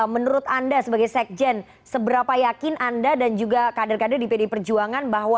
menurut anda sebagai sekjen seberapa yakin anda dan juga kader kader di pdi perjuangan bahwa